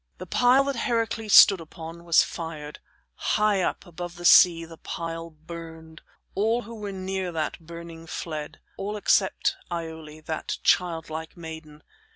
The pile that Heracles stood upon was fired. High up, above the sea, the pile burned. All who were near that burning fled all except Iole, that childlike maiden.